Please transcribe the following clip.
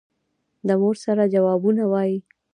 د مور سره جوابونه وايي.